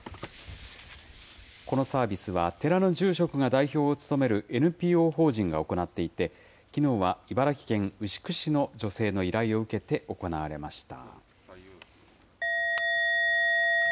このサービスは、寺の住職が代表を務めるＮＰＯ法人が行っていて、きのうは茨城県牛久市の女性の依頼を受けて行われました。